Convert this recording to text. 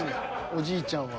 おじいちゃんは。